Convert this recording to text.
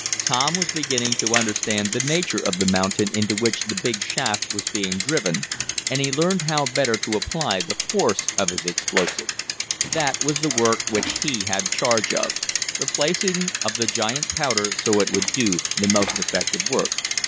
Tom was beginning to understand the nature of the mountain into which the big shaft was being driven and he learned how better to apply the force of his explosive. That was the work which he had charge of the placing of the giant powder so it would do the most effective work.